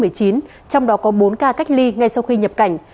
trong đó có bốn ca cách ly ngay sau khi nhập cảnh